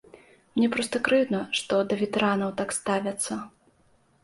Мне проста крыўдна, што да ветэранаў так ставяцца.